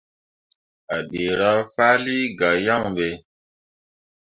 A ɗeera faali zah yaŋ ɓe.